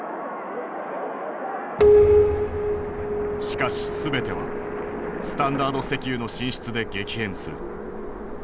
しかし全てはスタンダード石油の進出で激変する。